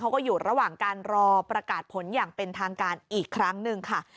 เขาก็อยู่ระหว่างการรอประกาศผลอย่างเป็นทางการอีกครั้งหนึ่งค่ะ